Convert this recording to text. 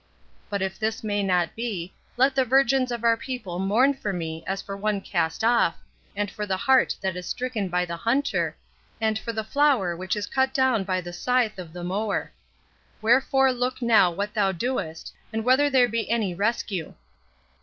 But if this may not be, let the virgins of our people mourn for me as for one cast off, and for the hart that is stricken by the hunter, and for the flower which is cut down by the scythe of the mower. Wherefore look now what thou doest, and whether there be any rescue.